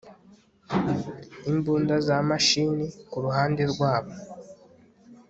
imbunda za mashini kuruhande rwabo